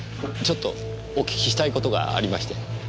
ちょっとお訊きしたい事がありまして。